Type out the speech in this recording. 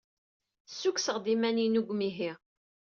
Ssukkseɣ-d iman-inu seg umihi.